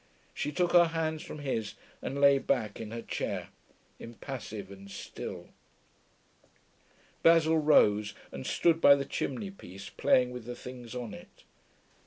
She took her hands from his and lay back in her chair, impassive and still. Basil rose, and stood by the chimney piece, playing with the things on it.